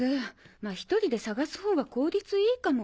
まあ１人で探すほうが効率いいかも。